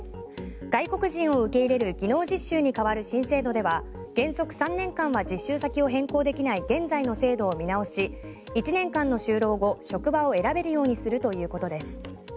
外国人を受け入れる技能実習に代わる新制度では原則３年間は実習先を変更できない現在の制度を見直し１年間の就労後職場を選べるようにするということです。